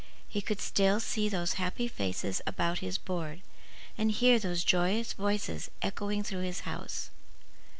He could still see those happy faces about his board, and hear those joyous voices echoing through his house.